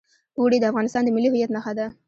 اوړي د افغانستان د ملي هویت نښه ده.